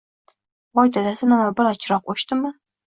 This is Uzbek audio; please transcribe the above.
Voy dadasi, nima balo, chiroq o`chdimi